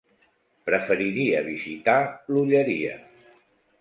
Preferiria visitar l'Olleria.